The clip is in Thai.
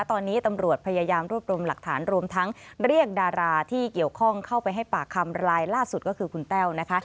ตอนนี้ตำรวจพยายามรวบรวมหลักฐานรวมทั้งเรียกดาราที่เกี่ยวข้องเข้าไปให้ปากคำรายล่าสุดก็คือคุณแต้วนะคะ